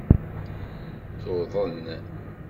Tuḍen.